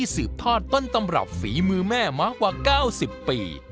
ส่วนตำรับฝีมือแม่มากว่า๙๐ปี